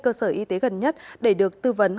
cơ sở y tế gần nhất để được tư vấn